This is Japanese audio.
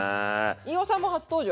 飯尾さんも初登場！